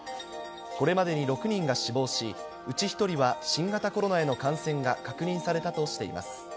これまでに６人が死亡し、うち１人は新型コロナへの感染が確認されたとしています。